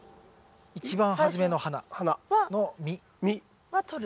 一番初めの花の実。はとる？